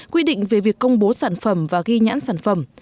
quy định về việc công bố sản phẩm và ghi nhãn sản phẩm